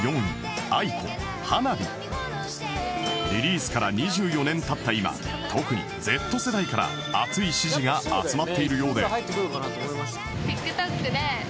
リリースから２４年経った今特に Ｚ 世代から熱い支持が集まっているようで